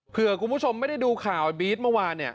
เผื่อคุณผู้ชมเราไม่ได้ดูข่าวบี๊ดเมื่อันว่านี้